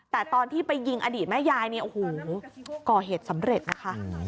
แต่ตอนที่ไปยิงอดีตแม่ยายเนี่ยโอ้โหก่อเหตุสำเร็จนะคะ